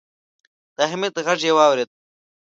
د حميد غږ يې واورېد.